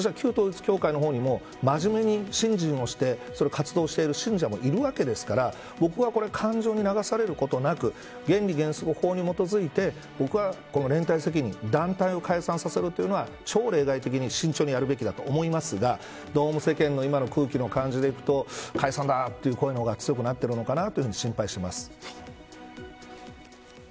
そしたら旧統一教会の方にも真面目に信心して活動している信者もいるわけですから僕は、これは感情に流されることなく原理原則、法に基づいて連帯責任、団体を解散させるというのは超例外的に慎重にやるべきだと思いますがどうも世間の今の空気の感じでいくと解散だという声の方が強くなっているのかなと心配しています。